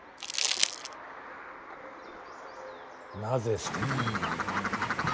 なぜ捨てた。